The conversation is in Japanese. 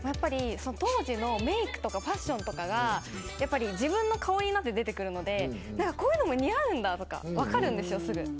当時のメークとかファションとかが自分の顔で出てくるのでこういうのも似合うんだとか分かるんですよ、すぐ。